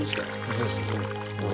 そうそうそう。